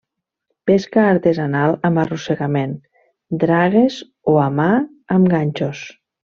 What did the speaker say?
Pesca artesanal amb arrossegament, dragues o a mà amb ganxos.